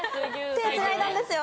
手つないだんですよ